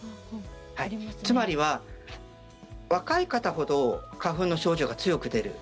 つまりは、若い方ほど花粉の症状が強く出る。